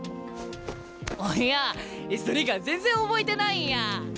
あいやそれが全然覚えてないんや。